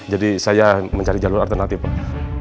jadi saya mencari jalur alternatif pak